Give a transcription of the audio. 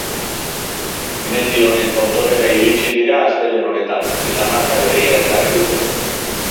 Mendi honen tontorrera iritsi dira astelehen honetan, eta marka berria ezarri dute.